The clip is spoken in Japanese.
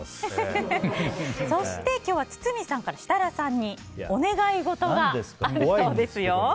そして、今日は堤さんから設楽さんにお願いごとがあるそうですよ。